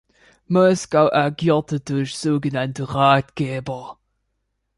Moskau agierte durch sogenannte Ratgeber.